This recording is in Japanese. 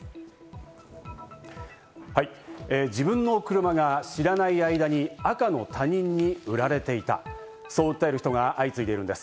自分の車が知らない間に赤の他人に売られていた、そう訴える人が相次いでいるんです。